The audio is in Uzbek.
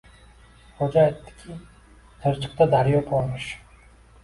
Xo‘ja aytadiki, Chirchiqda daryo bormish...